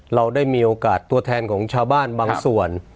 เราได้มีโอกาสตัวแทนของชาวบ้านบางส่วน